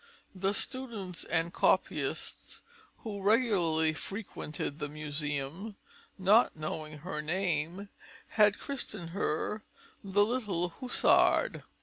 The students and copyists who regularly frequented the museum, not knowing her name, had christened her "the little hussard."